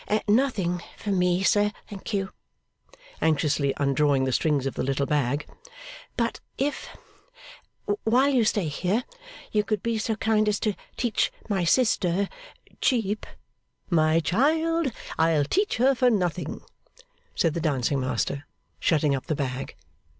'Nothing for me, sir, thank you,' anxiously undrawing the strings of the little bag; 'but if, while you stay here, you could be so kind as to teach my sister cheap ' 'My child, I'll teach her for nothing,' said the dancing master, shutting up the bag.